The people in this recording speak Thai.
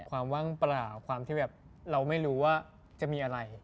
ว่างเปล่าความที่แบบเราไม่รู้ว่าจะมีอะไร